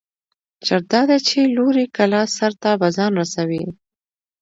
شرط دا دى، چې لوړې کلا سر ته به ځان رسوٸ.